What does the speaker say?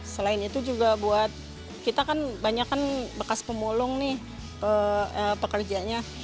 selain itu juga buat kita kan banyak kan bekas pemulung nih pekerjanya